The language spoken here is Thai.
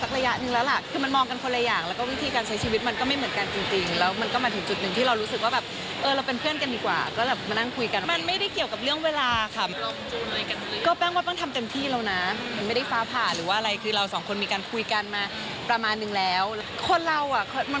ว่าเป็นฐานะนึงจริงเสียใจมันต้องมีอยู่แล้ว